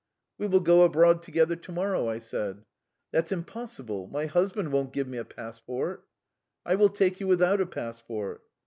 "We will go abroad together to morrow," I said. "That's impossible. My husband won't give me a passport." "I will take you without a passport."